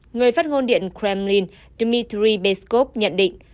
người phát ngôn điện kremlin dmitry beskov nhận định